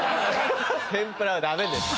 天ぷらはダメです。